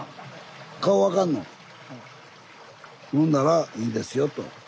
ほんならいいですよと。